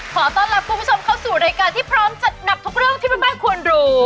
ขอต้อนรับคุณผู้ชมเข้าสู่รายการที่พร้อมจัดหนักทุกเรื่องที่แม่บ้านควรรู้